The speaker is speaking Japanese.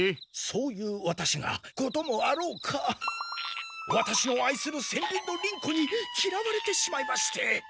そういうワタシが事もあろうかワタシのあいする戦輪の輪子にきらわれてしまいまして。